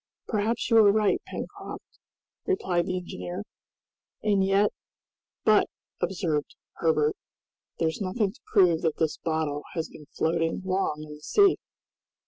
"Perhaps you are right, Pencroft," replied the engineer; "and yet " "But," observed Herbert, "there's nothing to prove that this bottle has been floating long in the sea."